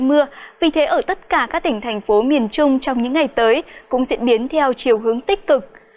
mưa vì thế ở tất cả các tỉnh thành phố miền trung trong những ngày tới cũng diễn biến theo chiều hướng tích cực